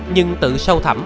nhưng từ sâu thẳm